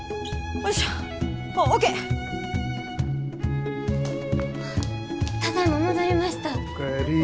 お帰り。